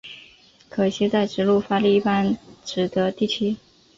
可惜在直路发力一般只得第七。